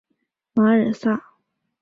马尔萨。